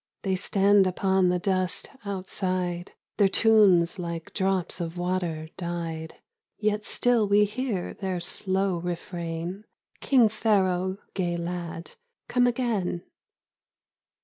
They stand upon the dust outside ; Their tunes like drops of water died. Yet still we hear their slow refrain, " King Pharaoh, gay lad, come again